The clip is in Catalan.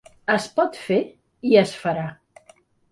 Es pot fer i es farà.